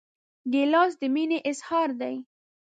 ګیلاس د مینې اظهار دی.